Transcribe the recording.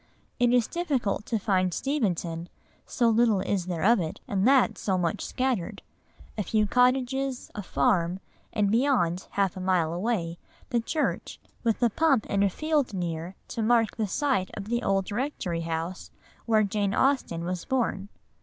It is difficult to find Steventon, so little is there of it, and that so much scattered; a few cottages, a farm, and beyond, half a mile away, the church, with a pump in a field near to mark the site of the old rectory house where Jane Austen was born.